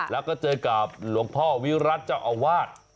แล้วก็เจอกับหลวงพ่อวิรัติเจ้าอาวาส